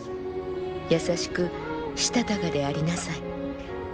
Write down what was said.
優しくしたたかでありなさい。